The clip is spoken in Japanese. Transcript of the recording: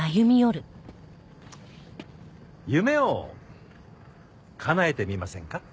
夢をかなえてみませんか？